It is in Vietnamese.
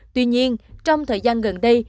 tuy nhiên trong thời gian gần đây